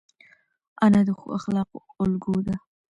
انا د ښو اخلاقو الګو ده